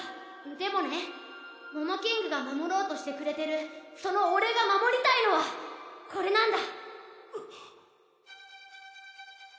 でもねモモキングが守ろうとしてくれてるその俺が守りたいのはこれなんだ。